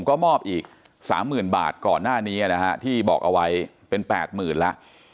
ก็มอบอีก๓๐๐๐บาทก่อนหน้านี้นะฮะที่บอกเอาไว้เป็น๘๐๐๐แล้ว